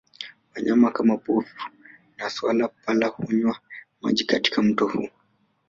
Wanyama kama pofu na swala pala hunywa maji katika mto huu